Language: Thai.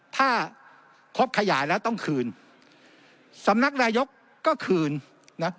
ถ้าครบขยายแล้วต้องคืนสำนักนายกก็คืนนะ